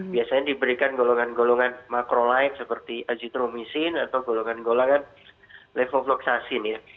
biasanya diberikan golongan golongan makro lain seperti azitromisin atau golongan golongan levofloxacin ya